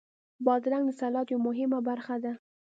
بادرنګ د سلاد یوه مهمه برخه ده.